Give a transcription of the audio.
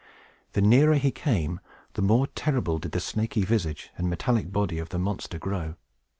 The nearer he came, the more terrible did the snaky visage and metallic body of the monster grow.